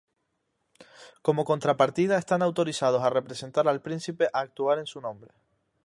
Como contrapartida, están autorizados a representar al príncipe a actuar en su nombre.